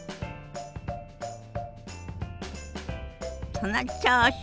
その調子。